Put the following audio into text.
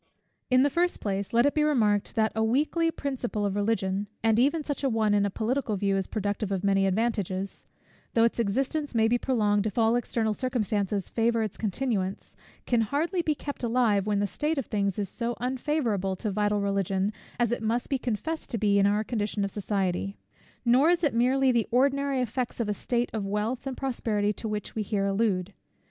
In the first place, let it be remarked, that a weakly principle of Religion, and even such an one, in a political view, is productive of many advantages; though its existence may be prolonged if all external circumstances favour its continuance, can hardly be kept alive, when the state of things is so unfavourable to vital Religion, as it must be confessed to be in our condition of society. Nor is it merely the ordinary effects of a state of wealth and prosperity to which we here allude.